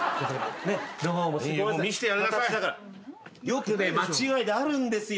よくね間違いであるんですよね。